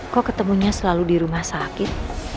kok ketemunya selalu di rumah sakit